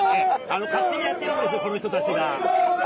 勝手にやってるんですよ、この人たちが。